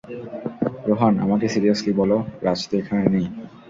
রোহান, আমাকে সিরিয়াসলি বলো, রাজ তো এখানে নেই।